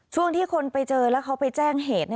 ช่วงที่คนไปเจอแล้วเขาไปแจ้งเหตุ